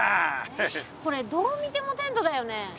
えっこれどう見てもテントだよね。